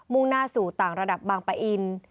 ่งหน้าสู่ต่างระดับบางปะอิน